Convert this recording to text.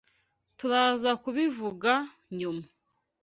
Turaza kubivuga nyuma.